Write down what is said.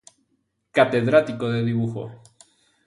Catedrático de Dibujo.